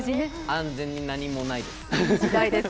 安全に、何もないです。